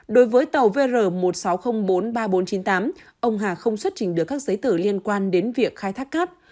đối với tàu vr một sáu không bốn ba bốn chín tám ông hà không xuất trình được các giấy tờ liên quan đến việc khai thác cát